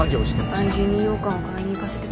愛人に羊羹を買いに行かせてた